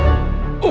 aku mau ke kamar